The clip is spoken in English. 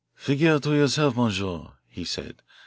"Figure to yourself, monsieur," he said.